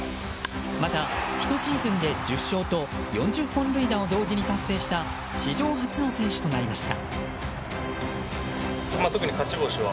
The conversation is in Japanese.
また、１シーズンで１０勝と４０本塁打を同時に達成した史上初の選手となりました。